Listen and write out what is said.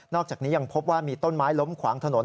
อกจากนี้ยังพบว่ามีต้นไม้ล้มขวางถนน